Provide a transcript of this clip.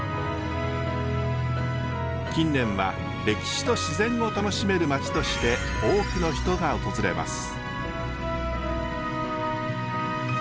近年は歴史と自然を楽しめる街として多くの人が訪れます。